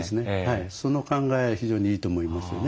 その考えは非常にいいと思いますよね。